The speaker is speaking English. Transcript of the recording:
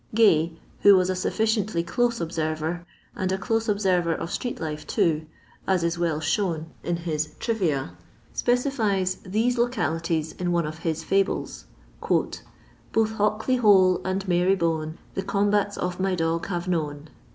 Gay, who wu a sufficiently close observer, and a dose obistver of stnot lifo too, as is well shown in ^No. XXX. *—— his " Trivia," specifies these localities in one of his fobles :—" Both Hockley hole and Mary bone The combftts of my dog have known."